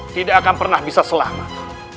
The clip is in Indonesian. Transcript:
tidak akan pernah bisa selamat